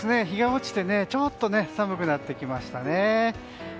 日が落ちてちょっと寒くなってきましたね。